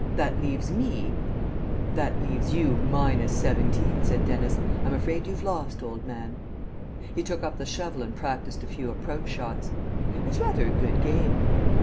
That leaves me " "That leaves you minus seventeen," said Dennis. "I'm afraid you've lost, old man." He took up the shovel and practised a few approach shots. "It's rather a good game."